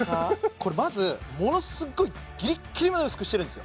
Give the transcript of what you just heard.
これまずものすごいギリッギリまで薄くしてるんですよ